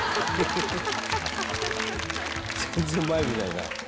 全然前見ないな。